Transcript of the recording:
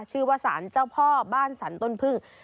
ชื่อว่าสารเจ้าพ่อบ้านสรรต้นพึ่ง